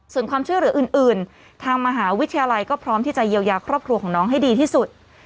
ส่วนความช่วยเหลืออื่นทางมหาวิทยาลัยก็พร้อมที่จะเยียวยาครอบครัวของน้องให้ดีที่สุด